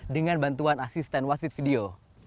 dengan bantuan asisten wasit video